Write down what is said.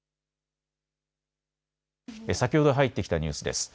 先ほど入ってきたニュースです。